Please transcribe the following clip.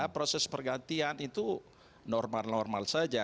proses pergantian itu normal normal saja